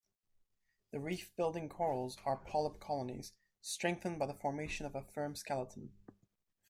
The reef-building corals are polyp-colonies, strengthened by the formation of a firm skeleton.